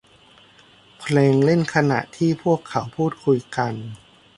เพลงเล่นขณะที่พวกเขาพูดคุยกัน